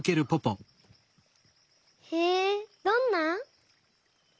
へえどんな？